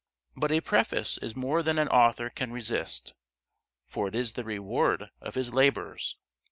But a preface is more than an author can resist, for it is the reward of his labours.